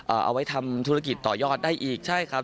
เอาไว้ทำธุรกิจต่อยอดได้อีกใช่ครับ